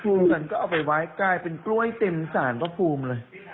ฉันก็เอาไปไว้กลายเป็นกล้วยเต็มสารพระภูมิเลย